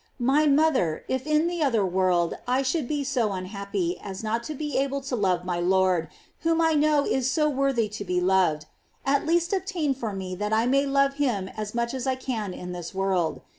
My mother, if in the other world I should be so unhappy as not to be able to love my Lord, whom I know is so worthy to be lov ed, at least obtain for me that I may love him as much as I can in this world.